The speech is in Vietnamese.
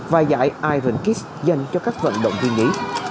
và giải iron kiss dành cho các vận động viên nhí